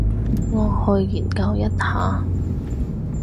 我去研究一下